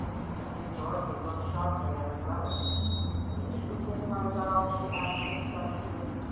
And then Dorothy looked sharply at her brother. "Did you take my doll?" she asked him suddenly.